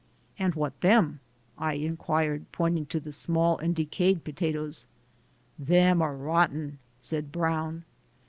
"And what them?" I inquired, pointing to the small and decayed potatoes. "Them are rotten" said Brown.